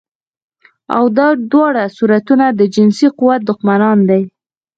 او دا دواړه صورتونه د جنسي قوت دښمنان دي